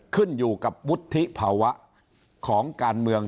ขึ้นอยู่กับวุฒิภาวะของการเมือง